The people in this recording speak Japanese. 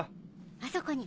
あそこに。